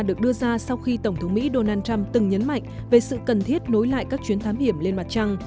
được đưa ra sau khi tổng thống mỹ donald trump từng nhấn mạnh về sự cần thiết nối lại các chuyến thám hiểm lên mặt trăng